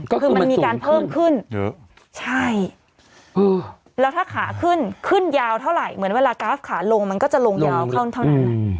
คือมันมีการเพิ่มขึ้นเยอะใช่แล้วถ้าขาขึ้นขึ้นยาวเท่าไหร่เหมือนเวลากราฟขาลงมันก็จะลงยาวเข้าเท่านั้น